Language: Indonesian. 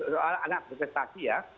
soal anak berprestasi ya